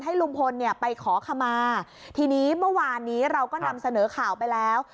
ลุงพลเนี่ยไปขอขมาทีนี้เมื่อวานนี้เราก็นำเสนอข่าวไปแล้ว